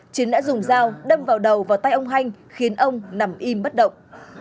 chiến đã dùng dao đâm vào đầu vào tay ông hanh khiến ông nằm im bất động